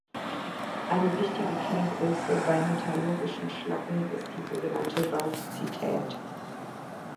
Eine wichtige Kenngröße bei metallurgischen Schlacken ist die sogenannte Basizität.